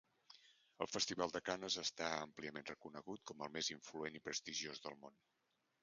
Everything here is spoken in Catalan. El Festival de Canes està àmpliament reconegut com el més influent i prestigiós del món.